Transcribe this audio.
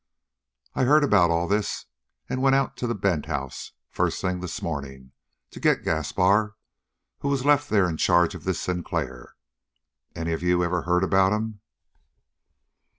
I heard about all this and went out to the Bent house, first thing this morning, to get Gaspar, who was left there in charge of this Sinclair. Any of you ever heard about him?"